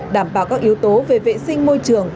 đảm bảo các yếu tố về vệ sinh môi trường